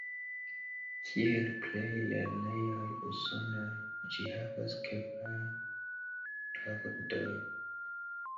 Kiel plej lernejoj Usonaj, ĝi havas kvar gradojn.